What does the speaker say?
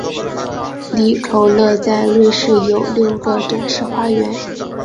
利口乐在瑞士有六个展示花园。